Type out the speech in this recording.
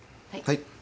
はい。